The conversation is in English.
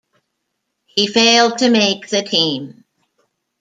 He failed to make the team.